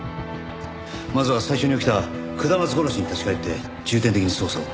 まずは最初に起きた下松殺しに立ち返って重点的に捜査を。